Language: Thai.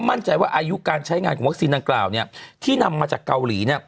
บ้านใจว่าอายุการใช้งานวัคซีนต่างกล่าวที่นำมาจากเกาหลี